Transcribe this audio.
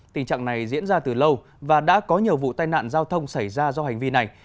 tình trạng này diễn ra từ lâu và đã có nhiều vụ tai nạn giao thông xảy ra do hành vi này